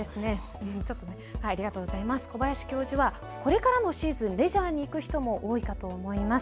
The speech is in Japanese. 小林教授はこれからのシーズン、レジャーに行く人も多いかと思います。